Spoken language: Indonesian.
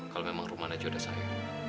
kalau memang rumahnya jodoh saya